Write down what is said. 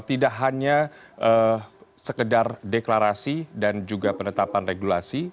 tidak hanya sekedar deklarasi dan juga penetapan regulasi